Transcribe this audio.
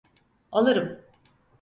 Alırım.